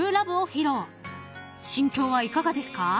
［心境はいかがですか？］